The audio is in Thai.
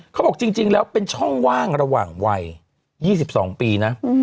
เขาบอกจริงแล้วเป็นช่องว่างระหว่างวัย๒๒ปีนะ